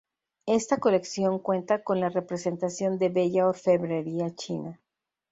Esta colección cuenta con la representación de bella orfebrería china.